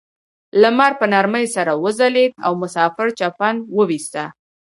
لمر په نرمۍ سره وځلید او مسافر چپن وویسته.